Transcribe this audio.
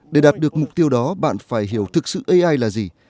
để đạt được mục tiêu đó bạn phải hiểu thực sự ai là gì